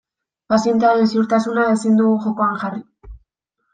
Pazientearen ziurtasuna ezin dugu jokoan jarri.